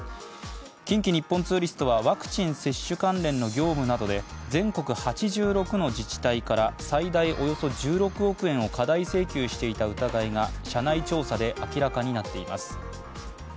近畿日本ツーリストはワクチン接種関連の業務などで全国８６の自治体から最大およそ１６億円を過大請求していた疑いが社内調査で明らかになっています。